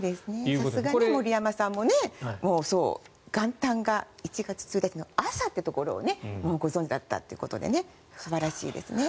さすが森山さんも元旦が１月１日の朝ということをもうご存じだったということで素晴らしいですね。